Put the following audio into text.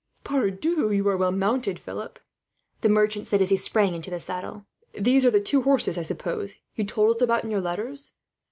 "Pardieu, but you are well mounted, Philip," the merchant said, as he sprang into the saddle. "These are the two horses, I suppose, you told us about in your letters.